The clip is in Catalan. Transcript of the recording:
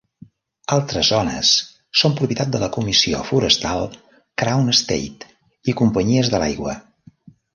Altres zones són propietat de la Comissió Forestal, Crown Estate i companyies de l'aigua.